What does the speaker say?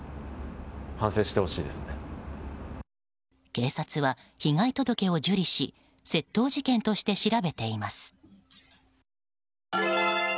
警察は被害届を受理し窃盗事件として調べています。